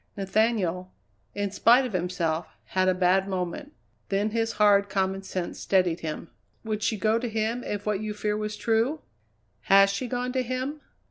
Nathaniel, in spite of himself, had a bad moment; then his hard common sense steadied him. "Would she go to him, if what you fear was true?" "Has she gone to him?"